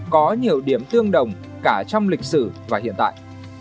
có nhiều điểm tương đồng cả trong lịch sử và hiện tại